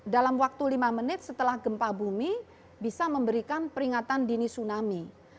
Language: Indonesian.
dalam waktu lima menit setelah gempa bumi bisa memberikan peringatan dini tsunami